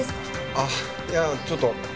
あっいやちょっと旅行に。